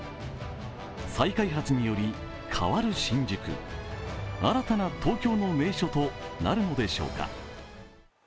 再開発により変わる新宿、新たな東京の名所となるのでしょうか。